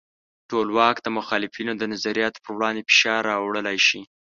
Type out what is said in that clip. ټولواک د مخالفینو د نظریاتو پر وړاندې فشار راوړلی شي.